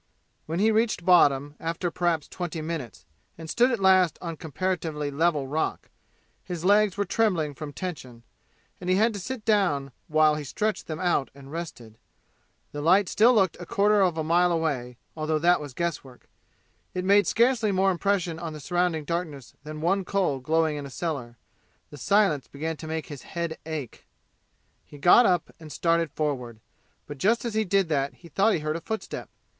When he reached bottom, after perhaps twenty minutes, and stood at last on comparatively level rock, his legs were trembling from tension, and he had to sit down while he stretched them out and rested. The light still looked a quarter of a mile away, although that was guesswork. It made scarcely more impression on the surrounding darkness than one coal glowing in a cellar. The silence began to make his head ache. He got up and started forward, but just as he did that he thought he heard a footstep.